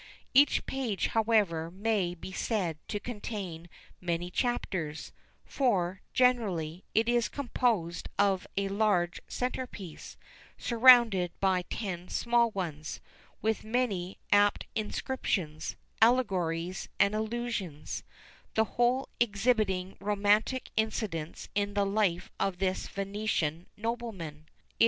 Each page, however, may be said to contain many chapters; for, generally, it is composed of a large centre piece, surrounded by ten small ones, with many apt inscriptions, allegories, and allusions; the whole exhibiting romantic incidents in the life of this Venetian nobleman.